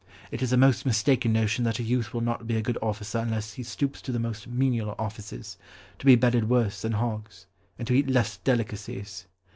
It is a most mistaken notion that a youth will not be a good officer unless he stoops to the most menial offices, to be bedded worse than hogs, and to eat less delicacies.